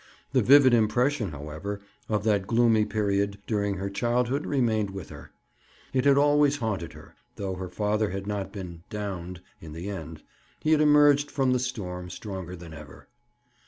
The vivid impression, however, of that gloomy period during her childhood remained with her. It had always haunted her, though her father had not been "downed" in the end. He had emerged from the storm stronger than ever.